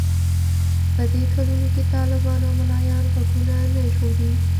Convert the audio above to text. په دې کلونو کې طالبان او ملايان غوږونه نه ژغوري.